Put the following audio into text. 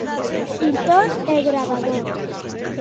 Pintor e gravador.